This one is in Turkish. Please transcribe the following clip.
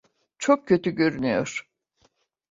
Çok kötü görünüyor.